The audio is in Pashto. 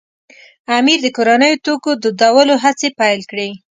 امیر د کورنیو توکو دودولو هڅې پیل کړې.